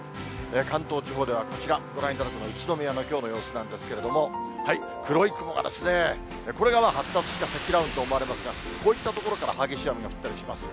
関東地方ではこちら、ご覧いただくのは、宇都宮のきょうの様子なんですけれども、黒い雲が、これが発達した積乱雲と思われますが、こういった所から激しい雨が降ったりします。